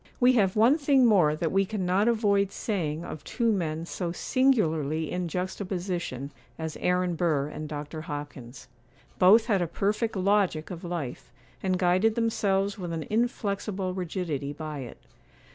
We have one thing more that we cannot avoid saying of two men so singularly in juxtaposition, as Aaron Burr and Dr. Hopkins. Both had a perfect logic of life, and guided themselves with an inflexible rigidity by it.